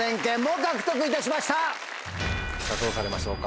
さぁどうされましょうか？